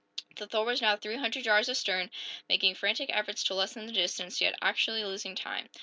The "Thor" was now three hundred yards astern, making frantic efforts to lessen the distance, yet actually losing time.